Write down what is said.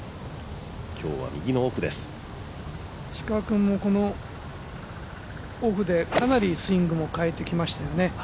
石川君も、このオフでかなりスイング、変えてきましたよね。